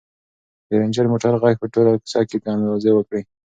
د رنجر موټر غږ په ټوله کوڅه کې انګازې وکړې.